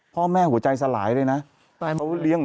พ่อแม่หัวใจสลายเลยนะ